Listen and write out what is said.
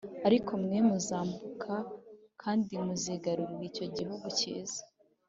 ariko mwe muzayambuka kandi muzigarurira icyo gihugu cyiza.